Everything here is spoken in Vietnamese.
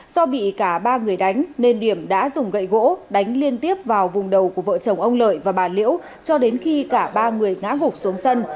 do bị cả ba người đánh nên điểm đã dùng gậy gỗ đánh liên tiếp vào vùng đầu của vợ chồng ông lợi và bà liễu cho đến khi cả ba người ngã gục xuống sân